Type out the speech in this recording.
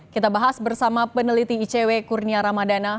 kita bahas bersama peneliti icw kurnia ramadana